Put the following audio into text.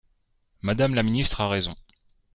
Madame la ministre a raison